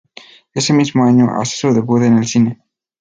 Ese mismo año hace su debut en el cine.